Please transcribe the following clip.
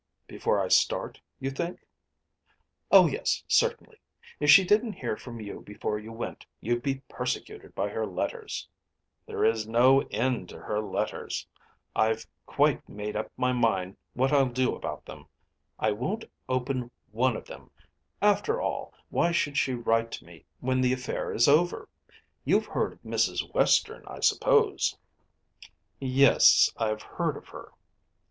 "Before I start, you think?" "Oh, yes; certainly. If she didn't hear from you before you went, you'd be persecuted by her letters." "There is no end to her letters. I've quite made up my mind what I'll do about them. I won't open one of them. After all, why should she write to me when the affair is over? You've heard of Mrs. Western, I suppose?" "Yes; I've heard of her."